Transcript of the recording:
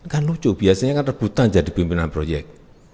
kan lucu biasanya kan rebutan jadi pimpinan proyek